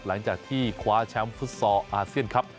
หลังจากที่คว้าแชมป์ฟุตซอลอาเซียนครับ